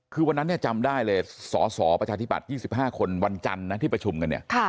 คือวันนั้นเนี่ยจำได้เลยสอสอประชาธิบัติ๒๕คนวันจันทร์นะที่ประชุมกันเนี่ย